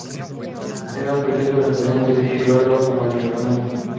Es más preciso referirse a Xibalbá como el inframundo.